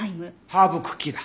ハーブクッキーだ。